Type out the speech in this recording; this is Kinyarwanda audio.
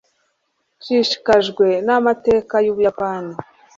nshishikajwe n'amateka y'ubuyapani